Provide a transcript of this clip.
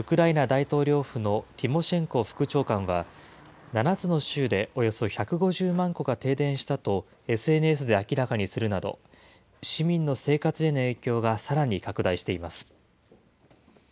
大統領府のティモシェンコ副長官は７つの州でおよそ１５０万戸が停電したとＳＮＳで明らかにするなど、市民の生活への影響がさらに拡大しています。